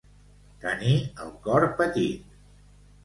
Tenir el cor petit.